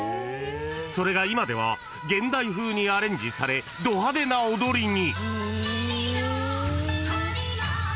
［それが今では現代風にアレンジされど派手な踊りに］